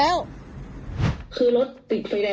แล้วก็ใช้เจียวละ